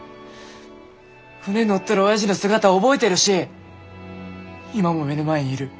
船乗ってるおやじの姿覚えてるし今も目の前にいる。